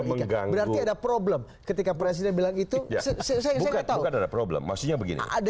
mengganggu ada problem ketika presiden bilang itu saya tahu ada problem maksudnya begini ada